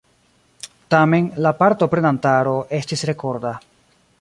Tamen la partoprenantaro estis rekorda.